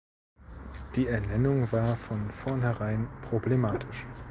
Die Ernennung war von vornherein problematisch.